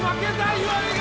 岩井が！